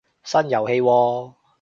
新遊戲喎